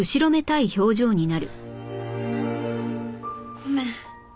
ごめん。